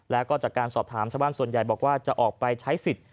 แล้วก็จากการสอบถามชาวบ้านส่วนใหญ่บอกว่าจะออกไปใช้สิทธิ์